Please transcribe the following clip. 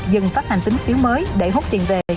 dừng phát hành tính phiếu mới để hút tiền về